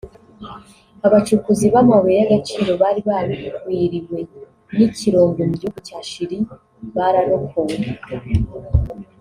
Abacukuzi b’amabuye y’agaciro bari bagwiriwe n’ikirombe mu gihugu cya Chili bararokowe